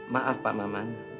maaf pak maman